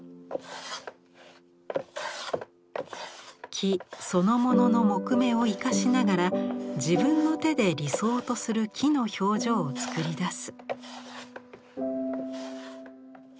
木そのものの木目を生かしながら自分の手で理想とする木の表情を作り出す。